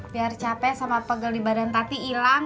biar capek sama pegal di badan tati ilang